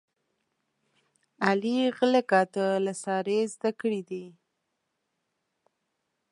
علي غله کاته له سارې زده کړي دي.